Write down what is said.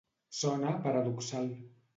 Sona paradoxal.